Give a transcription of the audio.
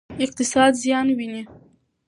اقتصاد زیان ویني.